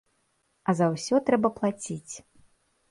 А за ўсё трэба плаціць.